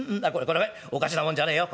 おかしなもんじゃねえよ。